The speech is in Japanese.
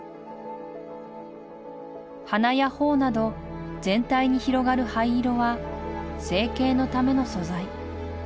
鼻や頬など全体に広がる灰色は整形のための素材。